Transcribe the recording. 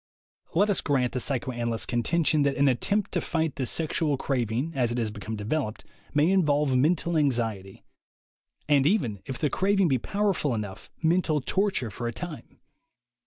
Let us grant the psychoanalysts' contention that an attempt to fight the sexual craving, as it has become developed, may involve mental anxiety, and even, if the craving be powerful enough, mental torture for a time.